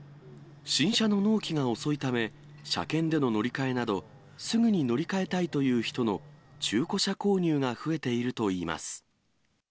新車の納期が遅いため、車検での乗り換えなど、すぐに乗り換えたいという人の中古車購入が増えているといいます。